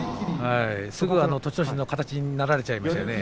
すぐ栃ノ心の形になられてしまいましたね。